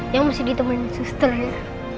yang masih ditemenin susternya